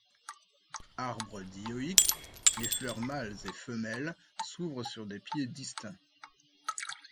Arbre dioïque, les fleurs mâles et femelles s’ouvrent sur des pieds distincts.